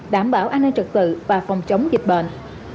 đảm bảo an ninh trật tự và phòng chống dịch bệnh